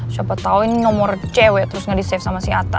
siapa tau ini nomor cewek terus gak di save sama si atta